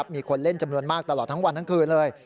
มีคนเล่นจำนวนมากตลอดทั้งวันทั้งคืนเลย